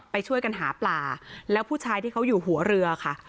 ไปช่วยกันหาปลาแล้วผู้ชายที่เขาอยู่หัวเรือค่ะ